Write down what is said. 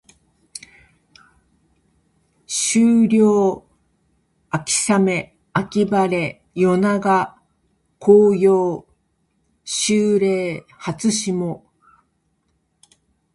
秋涼秋雨秋晴夜長紅葉秋麗初霜